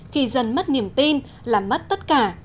khi dân mất niềm tin là mất tất cả